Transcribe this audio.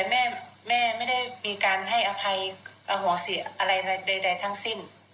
แม่ไม่ได้มีการให้อภัยห่วงเสียอะไรใดทั้งสิ้น